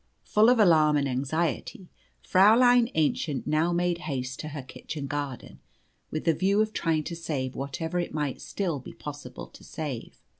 Full of alarm and anxiety, Fräulein Aennchen now made haste to her kitchen garden, with the view of trying to save whatever it might still be possible to save.